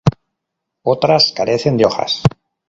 Otras carecen de hojas.